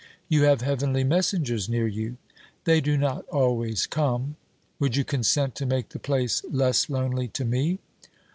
'You have heavenly messengers near you.' 'They do not always come.' 'Would you consent to make the place less lonely to me?'